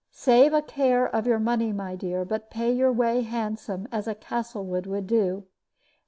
Save a care of your money, my dear; but pay your way handsome, as a Castlewood should do.